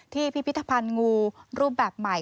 พิพิธภัณฑ์งูรูปแบบใหม่